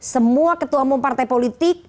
semua ketua umum partai politik